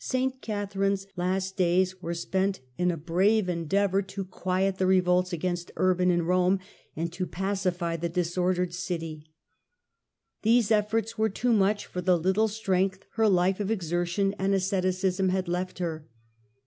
St. Catherine's last days were spent in a brave endeavour 90 THE END OF THE MIDDLE AGE to quiet the revolts against Urban in Kome, and to pacify the disordered city. These efforts were too much for the httle strength her Hfe of exertion and ascetism had left her.